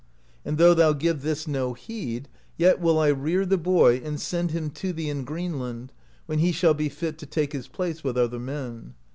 And though thou give this no heed, yet will I rear the boy, and send him to thee in Greenland, when he shall be fit to take his place with other men.